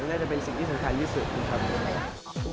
น่าจะเป็นสิ่งที่สำคัญที่สุดนะครับ